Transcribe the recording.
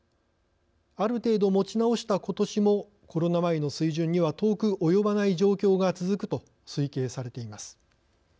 ある程度、持ち直したことしもコロナ前の水準には遠く及ばない状況が続くと推計されています。